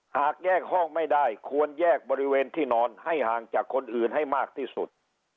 หากแยกห้องไม่ได้ควรแยกบริเวณที่นอนให้ห่างจากคนอื่นให้มากที่สุด